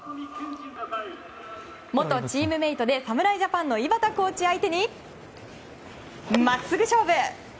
元チームメートで侍ジャパンの井端コーチ相手に真っすぐ勝負！